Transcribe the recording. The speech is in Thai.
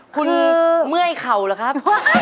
คุณเมื่อยเข่าเหรอครับ